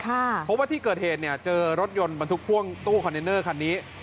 เพราะว่าที่เกิดเหตุเนี่ยเจอรถยนต์บรรทุกพ่วงตู้คอนเทนเนอร์คันนี้